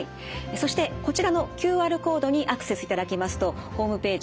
そしてこちらのＱＲコードにアクセスいただきますとホームページ